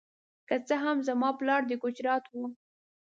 که څه هم زما پلار د ګجرات و.